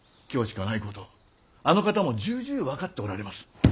今日しかないことあの方も重々分かっておられます。